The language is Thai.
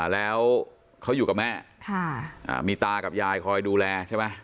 แล้วเขาอยู่กับแม่มีตากับยายคอยดูแลใช่ไหม